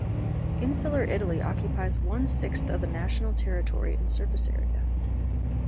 Insular Italy occupies one-sixth of the national territory in surface area.